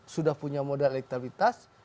sudah punya modal elektabilitas